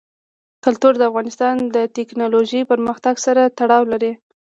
کلتور د افغانستان د تکنالوژۍ پرمختګ سره تړاو لري.